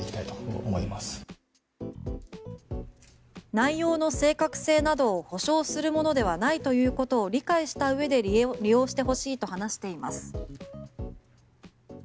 内容の正確性などを保証するものではないということを理解したうえで利用してほしいと話しています。